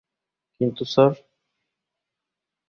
কিন্তু, স্যার।